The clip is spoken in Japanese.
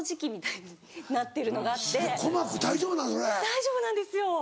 大丈夫なんですよ。